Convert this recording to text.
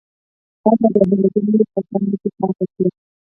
فرد به د هېرېدنې په کنده کې پاتې شي.